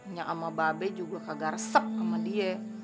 nya sama babe juga kagak resep sama dia